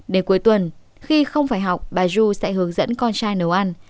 đến cuối tuần khi không phải học bà du sẽ hướng dẫn con trai nấu ăn